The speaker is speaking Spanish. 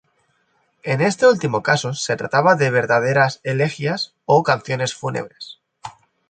En este último caso se trataba de verdaderas elegías o canciones fúnebres.